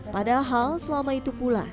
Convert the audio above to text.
padahal selama itu pula